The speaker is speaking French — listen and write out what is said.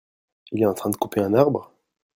Il est en train de couper un arbre ?